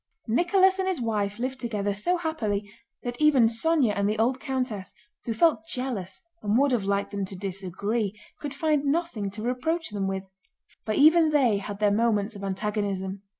Nicholas and his wife lived together so happily that even Sónya and the old countess, who felt jealous and would have liked them to disagree, could find nothing to reproach them with; but even they had their moments of antagonism.